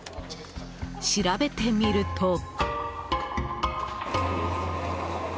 調べてみると。